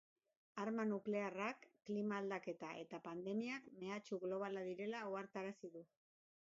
Arma nuklearrak, klima aldaketa eta pandemiak mehatxu globala direla ohartarazi du.